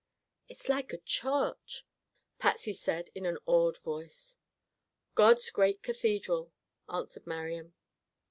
"It's like a church," Patsy said in an awed voice. "God's great cathedral," answered Marian.